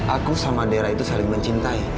aku sama daerah itu saling mencintai